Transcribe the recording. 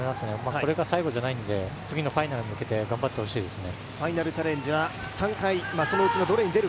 これが最後じゃないので次のファイナルに向けて頑張ってほしいですね。